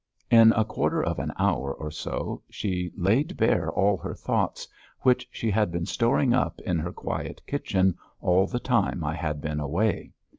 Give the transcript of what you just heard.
In a quarter of an hour or so she laid bare all her thoughts, which she had been storing up in her quiet kitchen all the time I had been away.